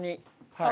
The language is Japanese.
はい。